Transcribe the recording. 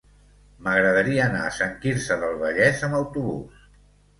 M'agradaria anar a Sant Quirze del Vallès amb autobús.